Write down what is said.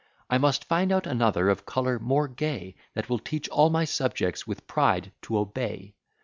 I must find out another of colour more gay, That will teach all my subjects with pride to obey.